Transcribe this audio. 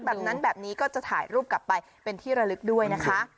แบบนั้นแบบนี้ก็จะถ่ายรูปกลับไปเป็นที่ระลึกด้วยนะคะ